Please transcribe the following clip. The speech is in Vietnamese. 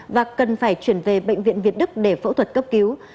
và cần phải chuyển về bệnh viện việt đức để phẫu thuật cấp cứu